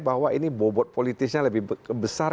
bahwa ini bobot politisnya lebih besar